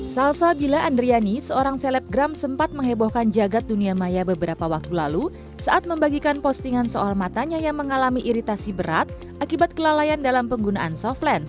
salsa bila andriani seorang selebgram sempat menghebohkan jagad dunia maya beberapa waktu lalu saat membagikan postingan soal matanya yang mengalami iritasi berat akibat kelalaian dalam penggunaan softlens